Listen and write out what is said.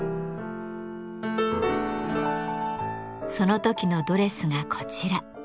その時のドレスがこちら。